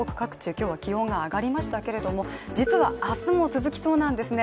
今日は気温が上がりましたけれども実は明日も続きそうなんですね。